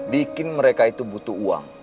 bikin mereka itu butuh uang